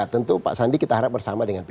tentu pak sandi kita harap bersama dengan p tiga